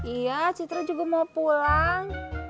iya citra juga mau pulang